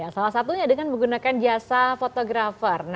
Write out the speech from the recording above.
salah satunya dengan menggunakan jasa fotografer